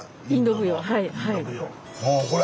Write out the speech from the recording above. インド舞踊はい。